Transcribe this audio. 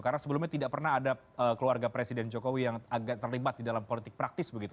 karena sebelumnya tidak pernah ada keluarga presiden jokowi yang agak terlibat di dalam politik praktis begitu